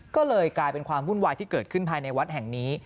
ก็เลยกลายเป็นความวุ่นวายที่เกิดขึ้นภายในวัดแห่งนี้